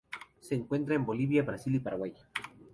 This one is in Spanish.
Se encuentra en Bolivia, Brasil y Paraguay